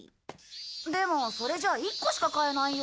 でもそれじゃあ１個しか買えないよ？